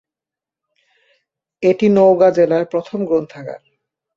এটি নওগাঁ জেলার প্রথম গ্রন্থাগার।